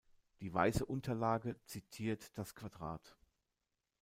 Die weiße Unterlage zitiert das Quadrat.